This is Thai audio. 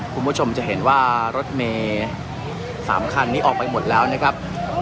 คุณผู้ชมจะเห็นว่ารถเมย์๓คันนี้ออกไปหมดแล้วนะครับ